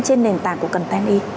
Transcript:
trên nền tảng của content e